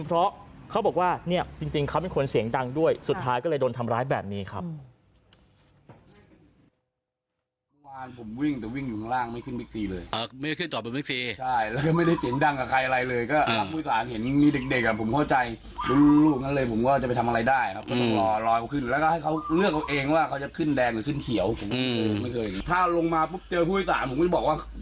เพราะเขาบอกว่าเนี่ยจริงเขาเป็นคนเสียงดังด้วยสุดท้ายก็เลยโดนทำร้ายแบบนี้ครับ